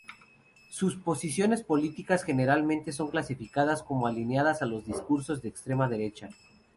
Sus posiciones políticas generalmente son clasificadas como alineadas a los discursos de extrema derecha.